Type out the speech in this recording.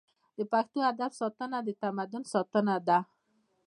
د پښتو ادب ساتنه د تمدن ساتنه ده.